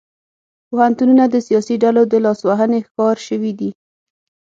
پوهنتونونه د سیاسي ډلو د لاسوهنې ښکار شوي دي